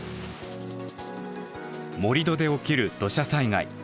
盛り土で起きる土砂災害。